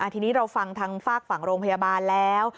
ทีนี้เราฟังทางฝากฝั่งโรงพยาบาลแล้ว